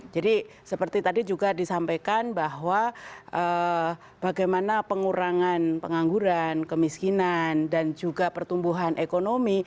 jadi seperti tadi juga disampaikan bahwa bagaimana pengurangan pengangguran kemiskinan dan juga pertumbuhan ekonomi